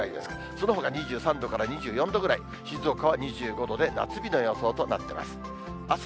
そのほか２３度から２４度ぐらい、静岡は２５度で夏日の予想となっています。